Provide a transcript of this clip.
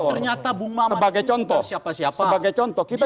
oh ternyata bung maman itu tidak siapa siapa